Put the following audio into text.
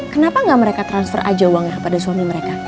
kenapa nggak mereka transfer aja uangnya pada suami mereka